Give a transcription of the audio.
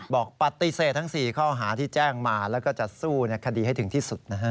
บอกปฏิเสธทั้ง๔ข้อหาที่แจ้งมาแล้วก็จะสู้คดีให้ถึงที่สุดนะฮะ